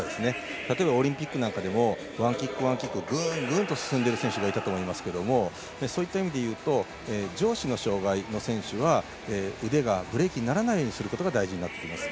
例えばオリンピックでもワンキック、ワンキックグーン、グーンと進んでる選手がいたと思いますけどそういった意味でいうと上肢の障がいの選手は腕がブレーキにならないことが大事になってきます。